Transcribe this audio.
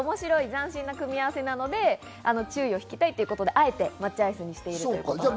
斬新な組み合わせなので、注意を引きたいということで、あえて抹茶アイスにしているということです。